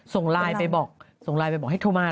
ส่งไลน์ไปบอกให้ทอมา